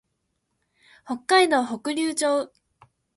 北海道北竜町